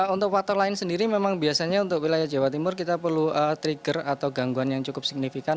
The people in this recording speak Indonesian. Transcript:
untuk faktor lain sendiri memang biasanya untuk wilayah jawa timur kita perlu trigger atau gangguan yang cukup signifikan